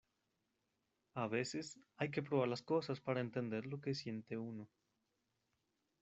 a veces, hay que probar las cosas para entender lo que siente uno.